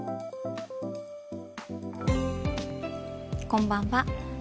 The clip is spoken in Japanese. こんばんは。